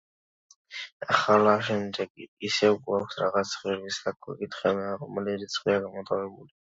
ახლა შემდეგი; ისევ გვაქვს რაღაც ცხრილი და გვეკითხებიან, რომელი რიცხვია გამოტოვებული.